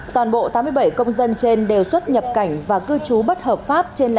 toàn bộ tám mươi bảy công dân trên đều xuất nhập cảnh và cư dân